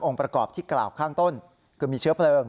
ประกอบที่กล่าวข้างต้นคือมีเชื้อเพลิง